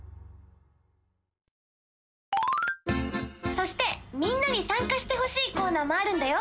そしてみんなにさんかしてほしいコーナーもあるんだよ。